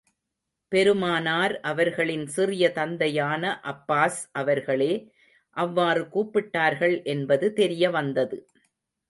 பெருமானார் அவர்களின் சிறிய தந்தையான அப்பாஸ் அவர்களே அவ்வாறு கூப்பிட்டார்கள் என்பது தெரிய வந்தது.